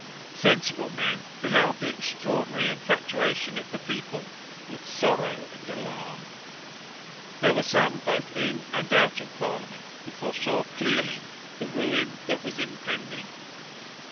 Sensible men beheld the extraordinary infatuation of the people with sorrow and alarm. There were some both in and out of parliament who foresaw clearly the ruin that was impending.